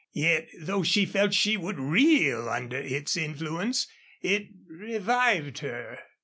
Yet, though she felt she would reel under its influence, it revived her.